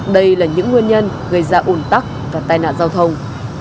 đây là những nguyên nhân gây ra ủn tắc và tai nạn giao thông